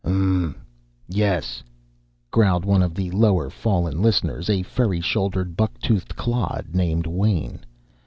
"Mmm yes," growled one of the lower fallen listeners, a furry shouldered, buck toothed clod named Wain.